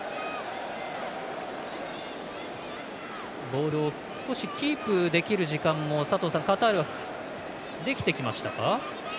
ボールをキープできる時間もカタールはできてきましたか？